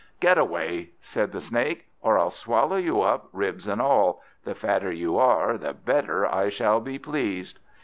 "Get away," said the Snake; "or I'll swallow you up, ribs and all; the fatter you are, the better I shall be pleased."